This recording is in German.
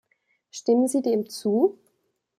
Stimmen Sie dem zu?